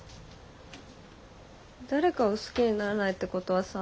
誰かを好きにならないってことはさ